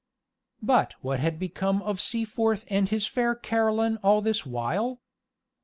But what had become of Seaforth and his fair Caroline all this while?